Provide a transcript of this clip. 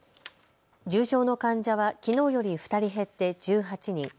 重症の患者はきのうより２人減って１８人。